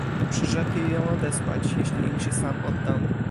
"Przyrzekli ją odesłać, jeśli im się sam oddam."